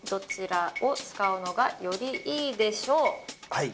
はい。